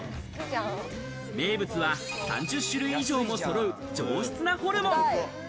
名物は３０種類以上もそろう上質なホルモン。